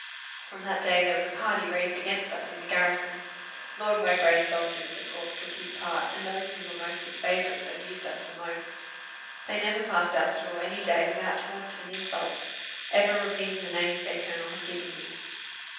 "From that day there was a party raised against us in the garrison. Lord Mowbray's soldiers of course took his part; and those who were most his favourites abused us the most. They never passed our store any day without taunt and insult; ever repeating the names their colonel had given me.